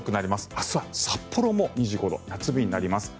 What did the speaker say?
明日は札幌も２５度夏日になります。